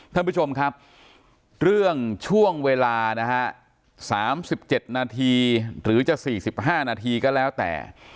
ท่านผู้ชมครับเรื่องช่วงเวลานะฮะ๓๗นาทีหรือจะ๔๕นาทีก็แล้วแต่